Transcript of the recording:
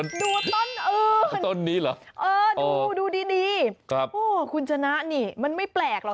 ดูต้นอื่นดูดีคุณจนะนี่มันไม่แปลกหรอก